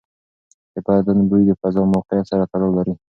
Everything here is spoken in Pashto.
د بدن بوی د فضا او موقعیت سره تړاو لري.